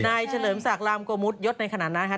เฉลิมศักดิ์ลามโกมุทยศในขณะนั้นนะครับ